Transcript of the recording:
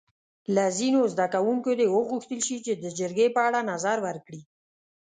له ځینو زده کوونکو دې وغوښتل شي چې د جرګې په اړه نظر ورکړي.